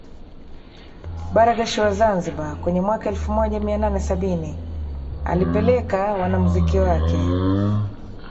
Barghash wa Zanzibar kwenye mwaka elfu moja mia nane sabini alipeleka wanamuziki wake